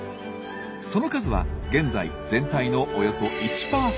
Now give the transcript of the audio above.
その数は現在全体のおよそ１％。